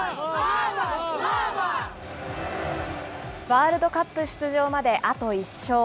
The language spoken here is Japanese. ワールドカップ出場まであと１勝。